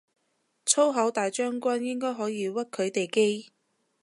粗口大將軍應該可以屈佢哋機